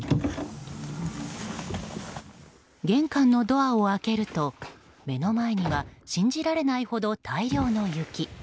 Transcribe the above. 玄関のドアを開けると目の前には信じられないほど大量の雪。